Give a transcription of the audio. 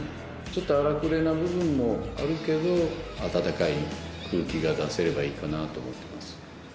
ちょっと荒くれな部分もあるけど温かい空気が出せればいいかなと思ってます。